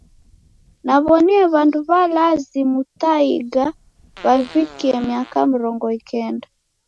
Naw'onie w'andu w'alazi Muthaiga w'avikie miaka mrongo ikenda.